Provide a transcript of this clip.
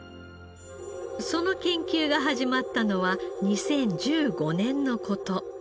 その研究が始まったのは２０１５年の事。